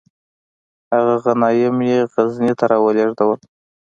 هغه غنایم یې غزني ته را ولیږدول.